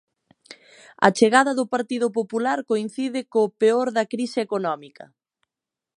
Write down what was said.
A chegada do Partido Popular coincide co peor da crise económica.